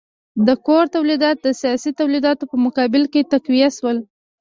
کور تولیدات د اسیايي تولیداتو په مقابل کې تقویه شول.